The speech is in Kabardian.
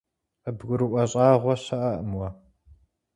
КъыбгурыӀуэ щӀагъуэ щыӀэкъым уэ.